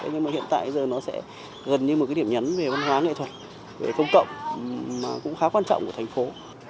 nhưng mà hiện tại giờ nó sẽ gần như một cái điểm nhấn về văn hóa nghệ thuật về công cộng mà cũng khá quan trọng của thành phố